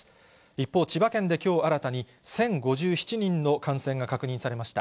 一方、千葉県できょう新たに１０５７人の感染が確認されました。